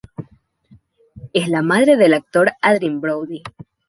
Es la madre del actor Adrien Brody.